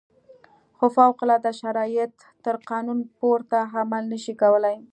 خو فوق العاده شرایط تر قانون پورته عمل نه شي کولای.